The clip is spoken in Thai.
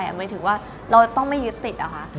หมายถึงว่าเราต้องไม่ยึดติดเหรอคะ